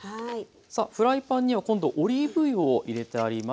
さあフライパンには今度オリーブ油を入れてあります。